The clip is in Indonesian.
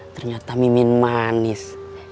ternyata mimin manis